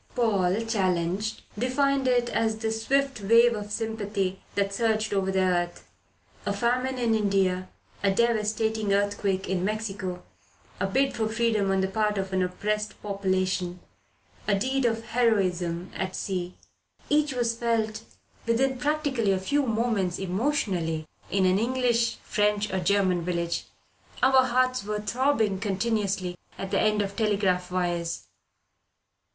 Paul, challenged, defined it as the swift wave of sympathy that surged over the earth. A famine in India, a devastating earthquake in Mexico, a bid for freedom on the part of an oppressed population, a deed of heroism at sea each was felt within practically a few moments, emotionally, in an English, French or German village. Our hearts were throbbing continuously at the end of telegraph wires.